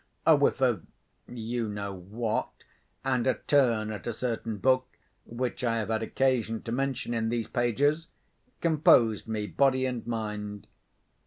A whiff of—you know what, and a turn at a certain book which I have had occasion to mention in these pages, composed me, body and mind.